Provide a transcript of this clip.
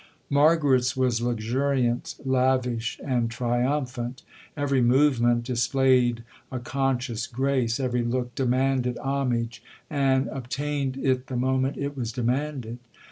Margaret's was luxuriant, lavish, and triumphant,—every movement displayed a conscious grace,—every look demanded homage, and obtained it the moment it was demanded.